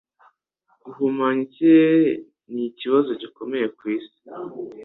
Guhumanya ikirere nikibazo gikomeye kwisi